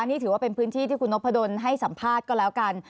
นี่ถือว่าเป็นพื้นที่ที่คุณนพดลให้สัมภาษณ์ก็แล้วกัน